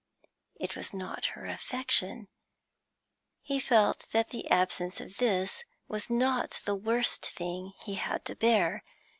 It was not her affection: he felt that the absence of this was not the worst thing he had to bear.